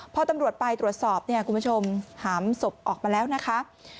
พอตำรวจไปตรวจสอบเนี่ยคุณผู้ชมหามศพออกมาแล้วนะคะ